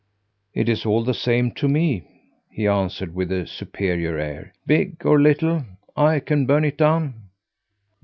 "It's all the same to me," he answered with a superior air. "Big or little, I can burn it down."